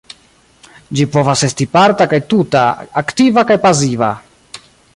Ĝi povas esti parta kaj tuta, aktiva kaj pasiva.